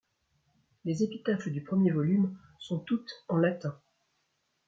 Les épitaphes du premier volume sont toutes en latins.